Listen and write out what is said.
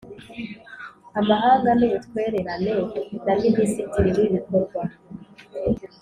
Amahanga n Ubutwererane na Minisitiri w Ibikorwa